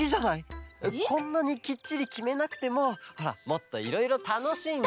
こんなにきっちりきめなくてもほらもっといろいろたのしんで。